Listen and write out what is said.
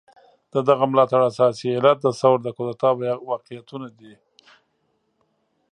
د دغه ملاتړ اساسي علت د ثور د کودتا واقعيتونه دي.